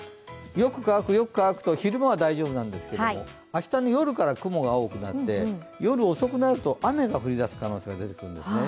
よく乾く、よく乾くと昼間は大丈夫なんですけど明日の夜から雲が多くなって、夜遅くなると雨が降り出す可能性が出てくるんですね。